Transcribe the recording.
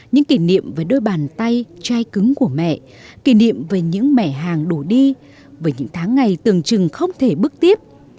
những kỷ niệm về đôi bàn tay trai cứng của mẹ kỷ niệm về những mẹ hàng đổ đi về những tháng ngày tường trừng không thể bước tiếp